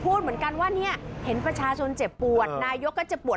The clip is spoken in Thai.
พูดเหมือนกันว่าเนี่ยเห็นประชาชนเจ็บปวดนายกก็เจ็บปวด